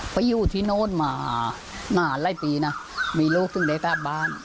ไปอยู่ที่โน่นมาหน้าไร้ปีนะมีลูกซึ่งได้สอบบ้าน